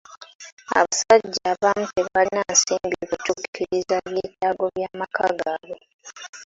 Abasajja abamu tebalina nsimbi kutuukiriza byetaago bya maka gaabwe.